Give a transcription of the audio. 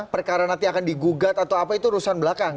perkara nanti akan digugat atau apa itu rusuhan